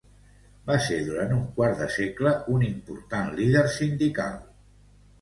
Va ser durant un quart de segle un important líder sindical.